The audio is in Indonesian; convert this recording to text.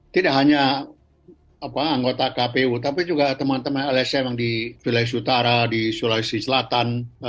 tidak hanya anggota kpu tapi juga teman teman lsm yang di wilayah utara di sulawesi selatan